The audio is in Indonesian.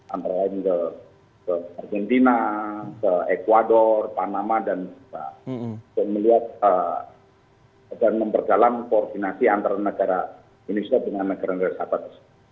antara lain ke argentina ke ecuador panama dan untuk melihat dan memperdalam koordinasi antara negara indonesia dengan negara negara sahabat